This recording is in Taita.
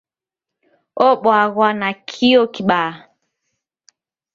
Obwaghwa nakio kibaa.